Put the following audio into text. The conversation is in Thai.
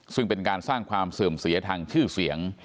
ซึ่งเป็นการสร้างความเสื่อมเสียทางชื่อเสียง